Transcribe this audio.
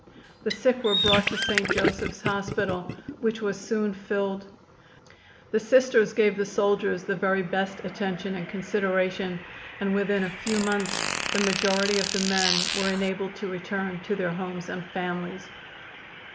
The sick were brought to St. Joseph's Hospital, which was soon filled. The Sisters gave the soldiers the very best attention and consideration, and within a few months the majority of the men were enabled to return to their homes and families.